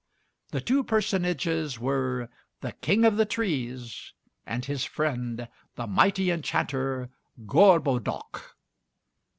The two personages were the King of the Trees and his friend, the mighty enchanter, Gorbodoc.